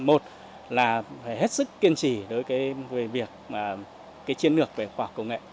một là phải hết sức kiên trì đối với việc cái chiến lược về khoa học công nghệ